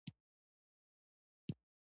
هر انقلاب له نوې کیسې پیلېږي.